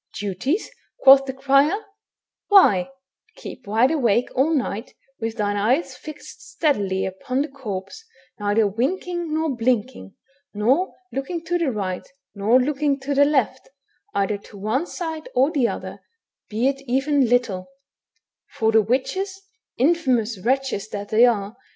"Duties!" quoth the crier; "why, keep wide awake all night, with thine eyes fixed steadily upon the corpse, neither winking nor hlinking, nor looking to the right nor looking to the left, either to one side or the other, be it even little ; for the witches, infEunous wretches that they are